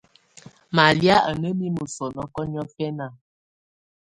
Malɛ̀á à nà mimǝ́ sɔ̀nɔkɔ̀ niɔ̀fɛna.